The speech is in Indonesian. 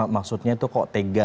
maksudnya itu kok tega